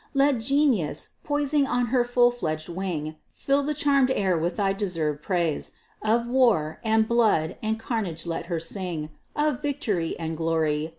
Let Genius, poising on her full fledg'd wing, Fill the charm'd air with thy deserved praise! Of war, and blood, and carnage let her sing, Of victory and glory!